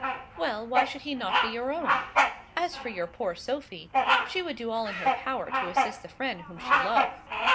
] Well, why should he not be your own? As for your poor Sophie, she would do all in her power to assist the friend whom she love.